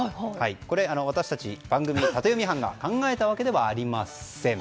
これ、私たち番組タテヨミ班が考えたわけではありません。